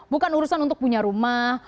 bukan urusan untuk punya rumah